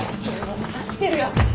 走ってるよ！